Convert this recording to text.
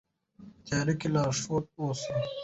په تیاره کې لارښود اوسئ.